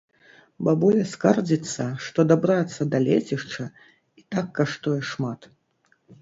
Бабуля скардзіцца, што дабрацца да лецішча і так каштуе шмат.